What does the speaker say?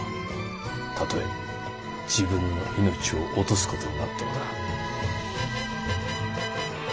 たとえ自分の命を落とすことになってもだ。